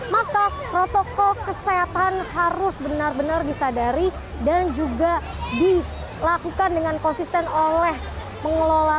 maka protokol kesehatan harus benar benar disadari dan juga dilakukan dengan konsisten oleh pengelola